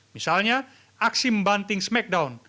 misalnya aksi membanting smackdown